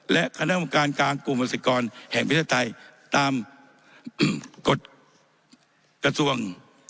และคณะกรรมการกลางกลุ่มอาศักดิ์กรแห่งวิทยาลัยไทยตามกฎกระทรวง